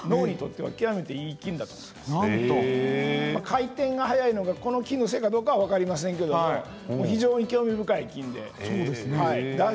回転が速いのがこの菌のせいかどうかは分かりませんけども非常に興味深い菌で大事にして下さい。